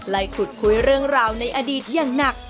ขุดคุยเรื่องราวในอดีตอย่างหนัก